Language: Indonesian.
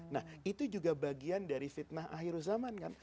nah itu juga bagian dari fitnah akhir zaman kan